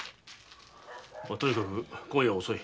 まあとにかく今夜は遅い。